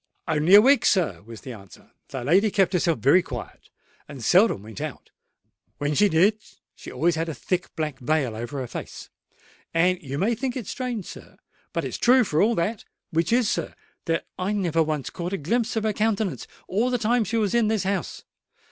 "Only a week, sir," was the answer. "The lady kept herself very quiet, and seldom went out. When she did, she always had a thick black veil over her face; and, you may think it strange, sir—but it's true for all that—which is, sir, that I never once caught a glimpse of her countenance all the time she was in this house.